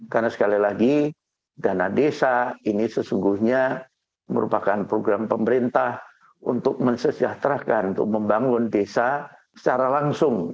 karena sekali lagi dana desa ini sesungguhnya merupakan program pemerintah untuk mensesyaterakan untuk membangun desa secara langsung